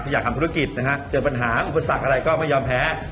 อยากทำธุรกิจนะฮะเจอปัญหาอุปสรรคอะไรก็ไม่ยอมแพ้